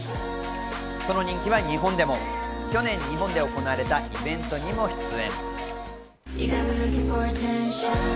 その人気は日本でも去年、日本で行われたイベントにも出演。